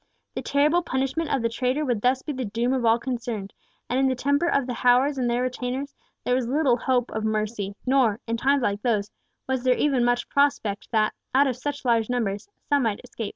The terrible punishment of the traitor would thus be the doom of all concerned, and in the temper of the Howards and their retainers, there was little hope of mercy, nor, in times like those, was there even much prospect that, out of such large numbers, some might escape.